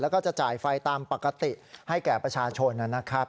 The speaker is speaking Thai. แล้วก็จะจ่ายไฟตามปกติให้แก่ประชาชนนะครับ